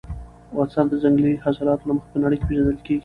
افغانستان د ځنګلي حاصلاتو له مخې په نړۍ کې پېژندل کېږي.